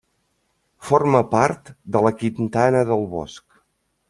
Forma part de la Quintana del Bosc.